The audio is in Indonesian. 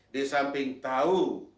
di samping tahu